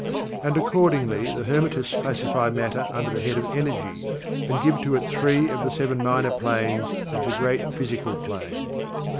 And accordingly the Hermetists classify Matter under the head of Energy, and give to it three of the Seven Minor Planes of the Great Physical Plane.